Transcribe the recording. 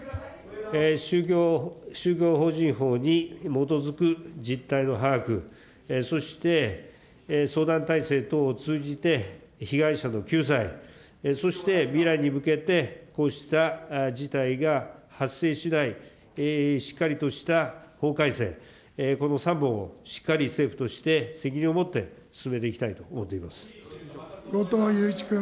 宗教法人法に基づく実態の把握、そして相談体制等を通じて、被害者の救済、そして未来に向けてこうした事態が発生しない、しっかりとした法改正、この３本をしっかり政府として責任を持って進めていきたいと思っ後藤祐一君。